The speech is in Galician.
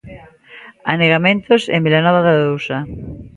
Anegamentos en Vilanova de Arousa.